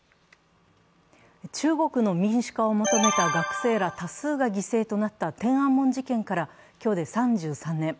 中国の民主化を求めた学生ら多数が犠牲となった天安門事件から今日で３３年。